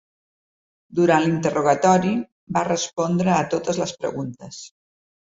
Durant l’interrogatori, va respondre a totes les preguntes.